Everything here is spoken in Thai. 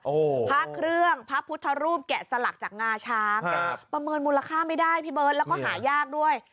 โอ้โหพระเครื่องพระพุทธรูปแกะสลักจากงาช้างครับประเมินมูลค่าไม่ได้พี่เบิร์ตแล้วก็หายากด้วย